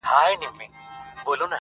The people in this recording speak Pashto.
کورنۍ پرېکړه کوي د شرم له پاره,